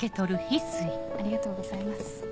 ありがとうございます。